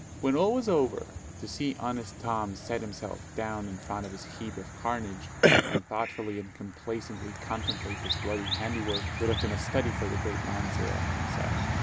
When all was over, to see honest Tom set himself down in front of this heap of carnage, and thoughtfully and complacently contemplate his bloody handiwork, would have been a study for the great Landseer himself.